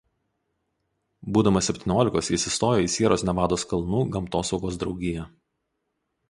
Būdamas septyniolikos jis įstojo į „Sieros Nevados kalnų“ gamtosaugos draugiją.